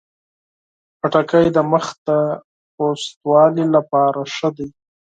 خټکی د مخ د نرموالي لپاره ښه دی.